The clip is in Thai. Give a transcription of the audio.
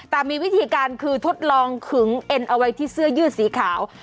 แต่มีวิธีการคือทดลองขึงเอ็นเอาไว้ที่เสื้อยืดสีขาว